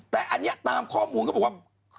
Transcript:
แต่อันนี้ตามข้อมูลเขาบอกว่า